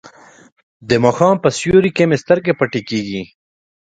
د ماښام په سیوري کې مې سترګې پټې کیږي.